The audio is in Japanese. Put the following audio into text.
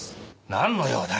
なんの用だ？